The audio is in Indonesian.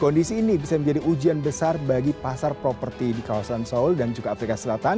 kondisi ini bisa menjadi ujian besar bagi pasangan yang menang dan juga untuk pemerintah yang menang dan juga untuk pemerintah yang menang